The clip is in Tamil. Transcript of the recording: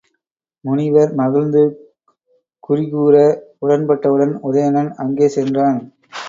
முனிவர் மகிழ்ந்து குறிகூற உடன்பட்டவுடன் உதயணன் அங்கே சென்றான்.